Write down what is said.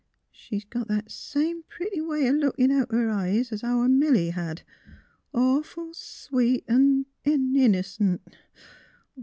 ... She's got that same pretty way o' lookin' out o' her eyes our Milly had. Awful sweet an' ■— an' innercent.